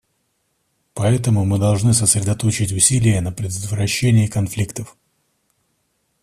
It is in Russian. Поэтому мы должны сосредоточить усилия на предотвращении конфликтов.